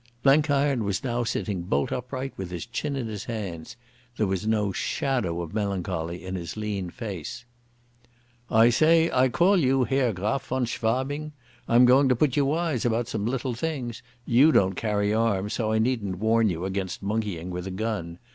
Blenkiron was now sitting bolt upright with his chin in his hands. There was no shadow of melancholy in his lean face. "I say I call you, Herr Graf von Schwabing. I'm going to put you wise about some little things. You don't carry arms, so I needn't warn you against monkeying with a gun.